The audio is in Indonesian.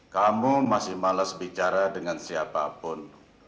kamu masih malas bicara dengan siapa pun